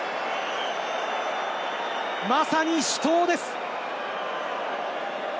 まさに死闘です。